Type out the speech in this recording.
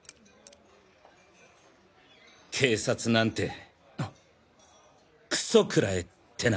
警察なんてクソ食らえってな。